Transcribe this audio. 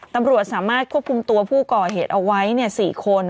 ตำรวจสามารถควบคุมตัวผู้ก่อเหตุเอาไว้๔คน